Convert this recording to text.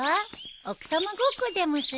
奥さまごっこでもする？